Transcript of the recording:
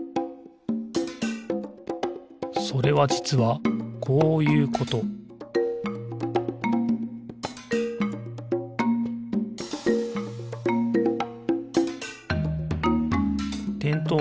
それはじつはこういうことてんとう